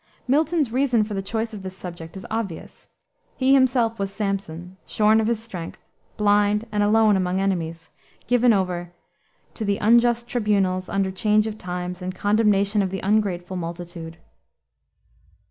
Milton's reason for the choice of this subject is obvious. He himself was Samson, shorn of his strength, blind, and alone among enemies; given over "to the unjust tribunals, under change of times, And condemnation of the ungrateful multitude."